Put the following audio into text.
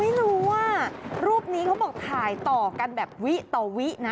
ไม่รู้ว่ารูปนี้เขาบอกถ่ายต่อกันแบบวิต่อวินะ